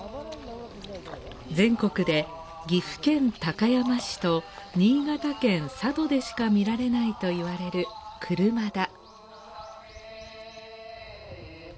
全国で岐阜県高山市と新潟県佐渡でしか見られないといわれる車田。